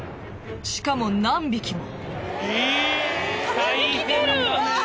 しかも何匹も。